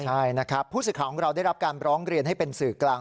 ใช่นะครับผู้สื่อข่าวของเราได้รับการร้องเรียนให้เป็นสื่อกลาง